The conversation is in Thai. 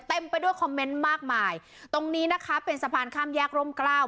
ไปด้วยคอมเมนต์มากมายตรงนี้นะคะเป็นสะพานข้ามแยกร่มกล้าว